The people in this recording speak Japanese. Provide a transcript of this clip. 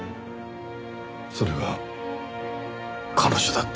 それが彼女だった？